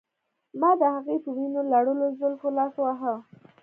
ما د هغې په وینو لړلو زلفو لاس واهه